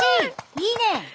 いいね！